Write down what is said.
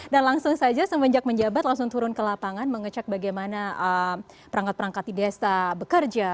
dan langsung saja semenjak menjabat langsung turun ke lapangan mengecek bagaimana perangkat perangkat di desa bekerja